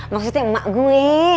maksudnya emak gue